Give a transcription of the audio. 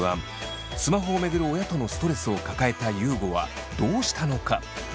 スマホを巡る親とのストレスを抱えた優吾はどうしたのか？